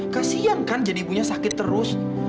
kasian kan jadi ibunya sakit terus